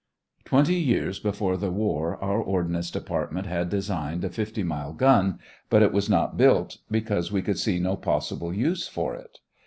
Twenty years before the war our Ordnance Department had designed a fifty mile gun, but it was not built, because we could see no possible use for it.